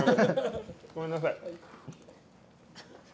ごめんなさい。